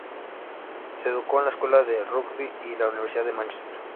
Se educó en la Escuela de Rugbi y en la Universidad de Mánchester.